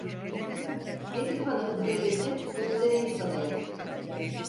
Getir bana hıdrellezi, göstereyim sana yazı.